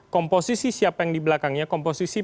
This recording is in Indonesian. komposisi siapa yang di belakangnya komposisi